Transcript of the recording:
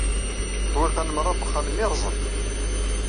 Ṭṭwiqan meṛṛa n uxxam-nni ṛẓen